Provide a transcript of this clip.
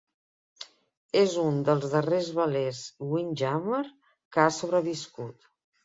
És un dels darrers velers "windjammer" que ha sobreviscut.